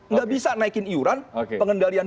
nggak bisa naikin iuran pengendalian